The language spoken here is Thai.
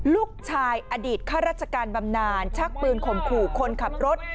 ลูกชายอดีตค่าราชกรรรย์บำนานชักปืนขมขู่คนขับรถ